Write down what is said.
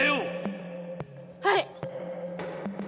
はい！